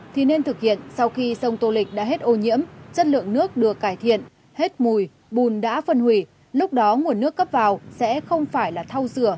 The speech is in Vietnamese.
thì nên thực hiện sau khi sông tôn lịch đã hết ô nhiễm chất lượng nước được cải thiện hết mùi bùn đã phân hủy